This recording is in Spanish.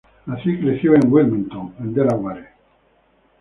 Nació y creció en Wilmington, en Delaware.